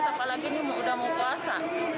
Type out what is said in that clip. apalagi ini udah mau puasa